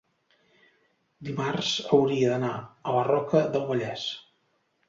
dimarts hauria d'anar a la Roca del Vallès.